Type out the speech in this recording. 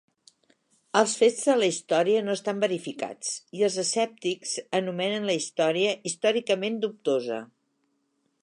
Els fets de la història no estan verificats, i els escèptics anomenen la història "històricament dubtosa".